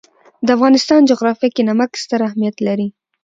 د افغانستان جغرافیه کې نمک ستر اهمیت لري.